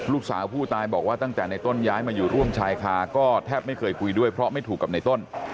ลูกสาวผู้ตายบอกว่าตั้งแต่ในต้นย้ายมาอยู่ร่วมชายคาก็แทบไม่เคยคุยด้วยเพราะไม่ถูกกับในต้น